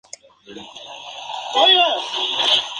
Aún hoy siguen siendo tomados como base para los estudios.